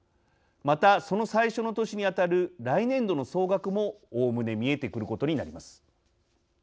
また、その最初の年に当たる来年度の総額もおおむね見えてくることになります。